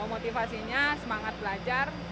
motivasinya semangat belajar